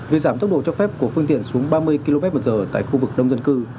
việc giảm tốc độ cho phép của phương tiện xuống ba mươi km một giờ tại khu vực đông dân cư